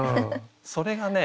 それがね